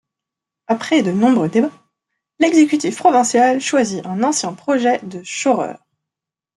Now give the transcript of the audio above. Après de nombreux débats, l'exécutif provincial choisi un ancien projet de Schorer.